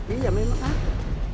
iya memang ada